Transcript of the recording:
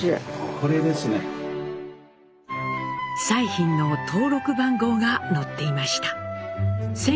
彩浜の登録番号が載っていました。